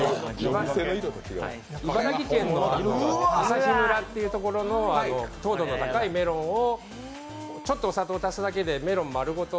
茨城県旭村というところの糖度の高いメロンをちょっとお砂糖足しただけでメロンまるごと